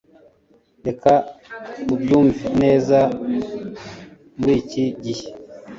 Reka tubyumve neza muriki gihe